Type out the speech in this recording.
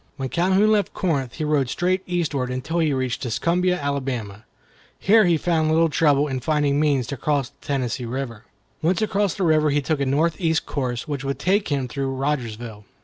When Calhoun left Corinth, he rode straight eastward, until he reached Tuscumbia, Alabama. Here he found little trouble in finding means to cross the Tennessee River. Once across the river he took a northeast course, which would take him through Rogersville.